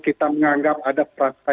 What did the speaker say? kita menganggap ada perasaan